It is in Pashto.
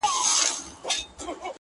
ښه خواري دې کښلې ده بچیه